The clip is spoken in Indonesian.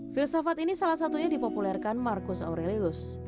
filsafat ini salah satunya dipopulerkan marcus aurelius